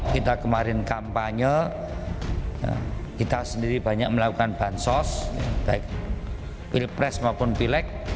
kita kemarin kampanye kita sendiri banyak melakukan bansos baik pilpres maupun pileg